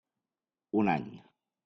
Un any.